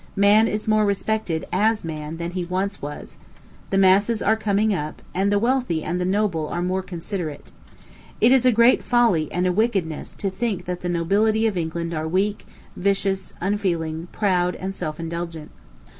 Man is more respected, as man, than he once was; the masses are coming up; and the wealthy and the noble are more considerate. It is a great folly and a wickedness to think that the nobility of England are weak, vicious, unfeeling, proud, and self indulgent.